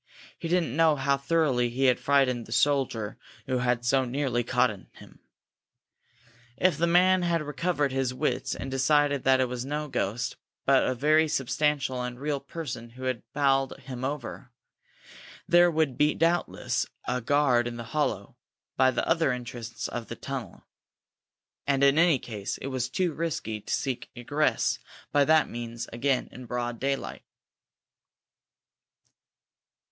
He didn't know how thoroughly he had frightened the soldier who had so nearly caught him. If the man had recovered his wits and decided that it was no ghost, but a very substantial and real person who had bowled him over, there would doubtless be a guard in the hollow, by the outer entrance of the tunnel. And, in any case, it was too risky to seek egress by that means again in broad daylight.